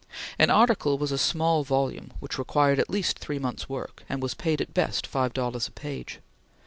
An article was a small volume which required at least three months' work, and was paid, at best, five dollars a page.